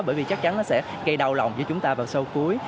bởi vì chắc chắn nó sẽ gây đau lòng cho chúng ta vào sâu cuối